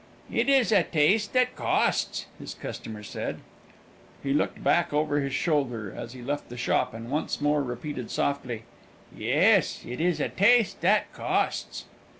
"It is a taste that costs," his customer said. He looked back over his shoulder as he left the shop, and once more repeated softly, "Yes, it is a taste that costs."